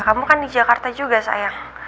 kamu kan di jakarta juga sayang